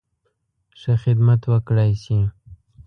ښه خدمت وکړای شي.